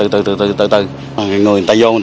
ứng cứu hàng chục người dân